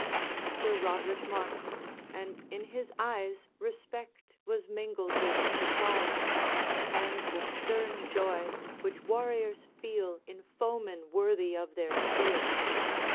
Sir Roderick marked, and in his eyes Respect was mingled with surprise, And the stern joy which warriors feel In foeman worthy of their steel.